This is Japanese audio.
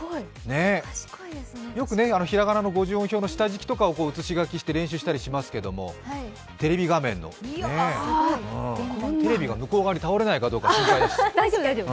よく、ひらがなの五十音表の下敷きとかをうつし書きして練習したりしますけれども、テレビ画面の、ねえ。テレビが向こう側に倒れないか心配だし。